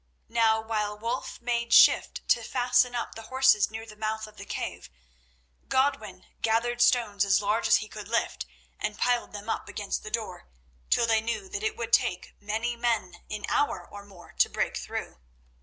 Now while Wulf made shift to fasten up the horses near the mouth of the cave, Godwin gathered stones as large as he could lift, and piled them up against the door, till they knew that it would take many men an hour or more to break through.